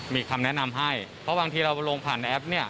มีคำแนะนำให้เพราะบางทีเราลงผ่านแอปเนี่ย